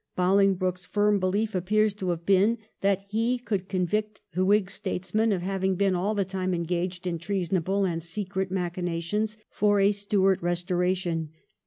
BoUngbroke's firm belief appears to have been that he could convict the Whig statesmen of having been all the time engaged in treasonable and secret machinations for a Stuart restoration.